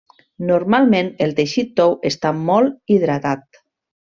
Normalment el teixit tou està molt hidratat.